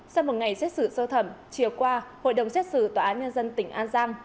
sau một ngày xét xử sơ thẩm chiều qua hội đồng xét xử tòa án nhân dân tỉnh an giang